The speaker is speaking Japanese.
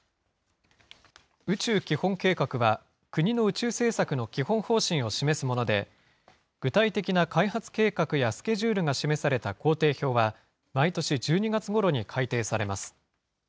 宇宙基本計画は国の宇宙政策の基本方針を示すもので、具体的な開発計画やスケジュールが示された工程表は、毎年１２月ごろに改訂されます。